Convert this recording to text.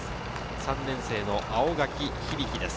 ３年生の青柿響です。